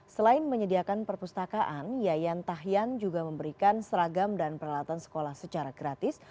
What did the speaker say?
selain menyediakan perpustakaan yayan tahyan juga memberikan seragam dan peralatan sekolah secara gratis